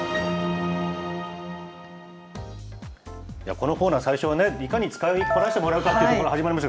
このコーナー、最初はいかに使いこなしてもらうかというところから始まるんです。